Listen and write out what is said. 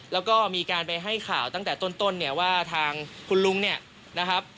แล้วก็มีการไปให้ข่าวตั้งแต่ต้นเนี่ยว่าทางคุณลุงเนี่ยนะครับ